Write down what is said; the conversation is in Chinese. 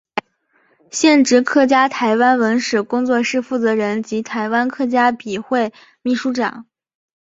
现职客家台湾文史工作室负责人及台湾客家笔会秘书长。